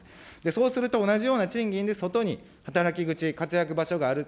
そうすると同じような賃金で外に働き口、活躍場所がある。